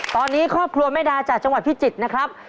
ตอนนี้ครอบครัวแม่ดาจากจังหวัดพิจิตรนะครับ